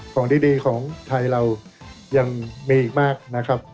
ของดีของไทยเรายังมีอีกมากนะครับ